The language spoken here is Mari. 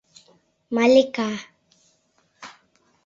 Малика.